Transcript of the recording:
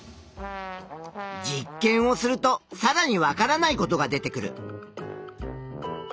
実験をするとさらに分からないことが出てくる。